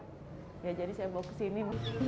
ya jadi saya bawa kesini